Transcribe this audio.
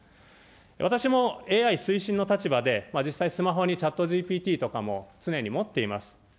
私も、ＡＩ推進の立場で、実際スマホにＣｈａｔＧＰＴとかも常に持っています。